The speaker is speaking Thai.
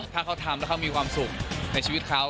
ถ้าเขาทำแล้วเขามีความสุขในชีวิตเขา